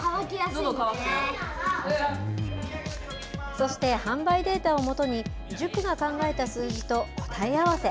そして、販売データを基に、塾が考えた数字と答え合わせ。